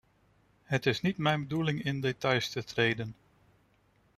Het is niet mijn bedoeling in details te treden.